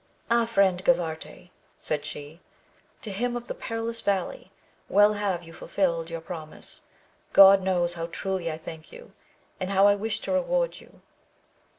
Ah, friend Gavarte, said she, to him of the perilous valley, well have you fulfilled your promise, God knows how truly I thank you, and how I wish to reward you